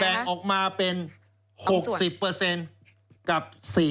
ออกมาเป็น๖๐กับ๔๐